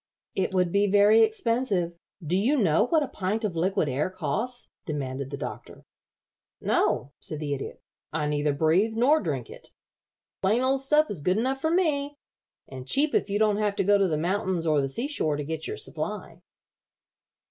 "It would be very expensive. Do you know what a pint of liquid air costs?" demanded the Doctor. "No," said the Idiot. "I neither breathe nor drink it. The plain old stuff is good enough for me, and cheap if you don't have to go to the mountains or the sea shore to get your supply."